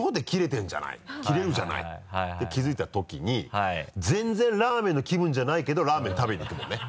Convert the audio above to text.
「きょうで切れるじゃない」って気づいたときに全然ラーメンの気分じゃないけどラーメン食べに行くもんね。